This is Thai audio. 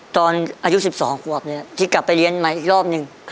ตอนอายุ๑๒ขวบเนี่ยที่กลับไปเรียนใหม่อีกรอบหนึ่ง